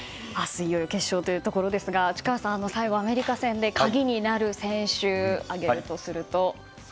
いよいよ決勝ですが内川さん、最後アメリカ戦で鍵になる選手挙げるとすると。